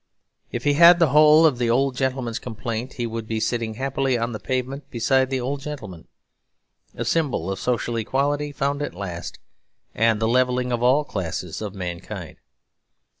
If he had the whole of the old gentleman's complaint, he would be sitting happily on the pavement beside the old gentleman; a symbol of social equality found at last, and the levelling of all classes of mankind.